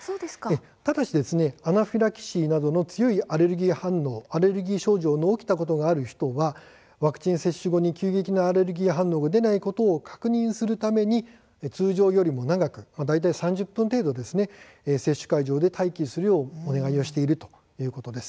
ただしアナフィラキシーなどの強いアレルギー症状が起きたことがある人はワクチン接種後に急激なアレルギー反応が出ないことを確認するために通常より長く、大体３０分程度接種会場で待機するようお願いしているということです。